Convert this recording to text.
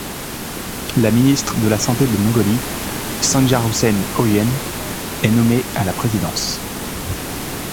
La ministre de la santé de Mongolie, Sanjaasuren Oyun, est nommée à la présidence.